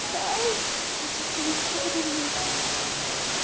お嬢様どう出るの？